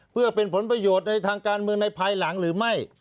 เพื่อเป็นผลประโยชน์ในทางการเมืองในภายหลังหรือไม่